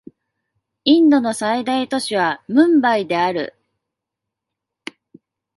インドの最大都市はムンバイである